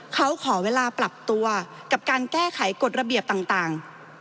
เขาขอเวลาปรับตัวกับการแก้ไขกฎระเบียบต่าง